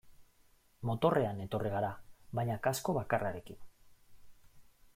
Motorrean etorri gara baina kasko bakarrarekin.